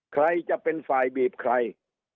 ใครจะเป็นฝ่ายบีบใคร